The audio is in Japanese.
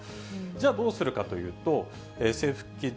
じゃあ、どうするかというと。